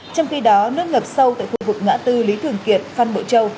trong khi đó nước ngập sâu tại khu vực ngã tư lý thường kiệt phan bộ châu